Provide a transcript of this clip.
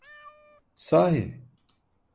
Sahi…